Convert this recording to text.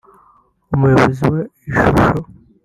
umuyobozi wa Ishusho